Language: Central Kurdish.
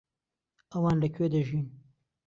ئەوان لەکوێ دەژین؟